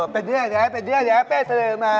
เป็นเรื่องไหนเป็นเรื่องไหนเป้เสริมมา